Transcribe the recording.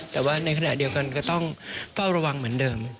แต่ว่าในขณะเดียวกันก็ต้องเฝ้าระวังเหมือนเดิม